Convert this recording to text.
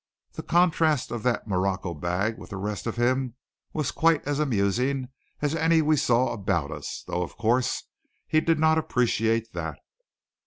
The contrast of that morocco bag with the rest of him was quite as amusing as any we saw about us; though, of course, he did not appreciate that.